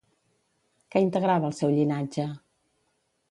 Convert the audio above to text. Què integrava el seu llinatge?